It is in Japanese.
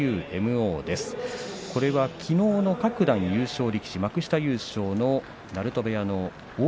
これはきのうの各段優勝力士幕下優勝の鳴戸部屋の欧